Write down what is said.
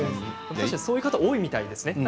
そういう方多いみたいですね。